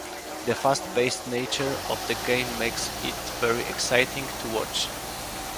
The fast-paced nature of the game makes it very exciting to watch.